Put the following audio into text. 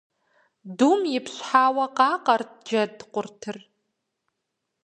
Дум ипщхьауэ къакъэрт джэд къуртыр.